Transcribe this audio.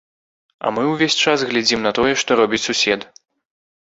А мы ўвесь час глядзім на тое, што робіць сусед.